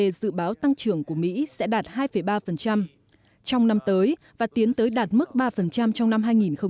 cũng dự báo tăng trưởng của mỹ sẽ đạt hai ba trong năm tới và tiến tới đạt mức ba trong năm hai nghìn một mươi tám